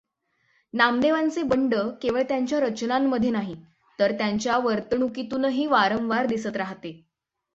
नामदेवांचे बंड केवळ त्यांच्या रचनांमध्ये नाही, तर त्यांच्या वर्तणुकीतूनही वारंवार दिसत राहते.